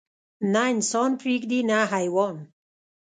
نه انسان پرېږدي نه حيوان.